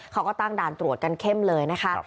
เขาก็ตั้งด่านตรวจกันเข้มเลยนะคะ